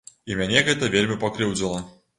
І мяне гэта вельмі пакрыўдзіла.